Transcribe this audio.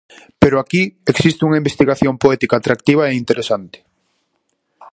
Pero aquí existe unha investigación poética atractiva e interesante.